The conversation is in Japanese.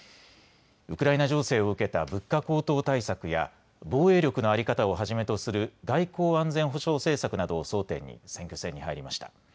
ウクライナ情勢を受けた物価高騰対策や防衛力の在り方をはじめとする外交・安全保障政策などを争点に選挙戦に入りました。